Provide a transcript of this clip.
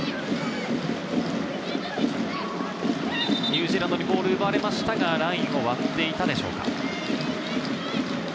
ニュージーランドにボールを奪われましたが、ラインを割っていたでしょうか。